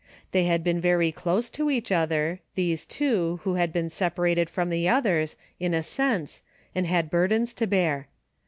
They had been very close to each other, these two, who had been separated from the others, in a sense, and had burdens to bear.